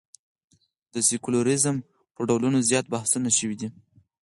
د سیکولریزم پر ډولونو زیات بحثونه شوي دي.